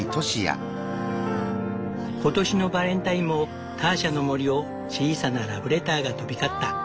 今年のバレンタインもターシャの森を小さなラブレターが飛び交った。